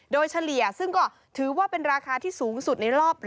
โดยเฉลี่ยซึ่งก็ถือว่าเป็นราคาที่สูงสุดในรอบ